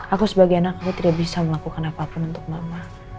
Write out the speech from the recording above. aku sebagai anak aku tidak bisa melakukan apapun untuk mama